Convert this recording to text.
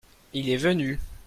il est venu.